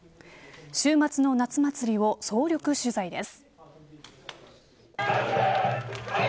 週末の夏祭りを総力取材です。